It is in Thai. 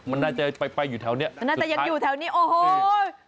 มันน่าจะไปอยู่ทางแถวนี้